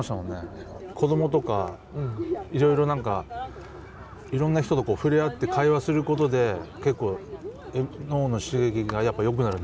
子どもとかいろいろ何かいろんな人と触れ合って会話することで結構脳の刺激がやっぱよくなるんですって。